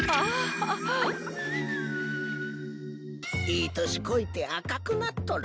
いい年こいて赤くなっとる。